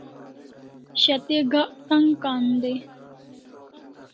Shat'e gak tan'g kan dai